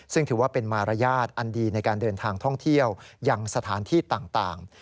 ซึ่งถือว่าเป็นมารยาทอันดีในการเดินทางท่องเที่ยวยังสถานที่ต่าง